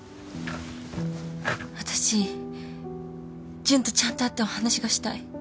私ジュンとちゃんと会ってお話がしたい。